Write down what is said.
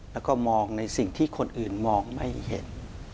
แล้วก็มองในสิ่งที่คนอื่นมองไม่เห็น